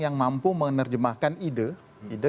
yang mampu menerjemahkan ide